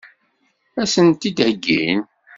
Ad sen-t-id-heggin?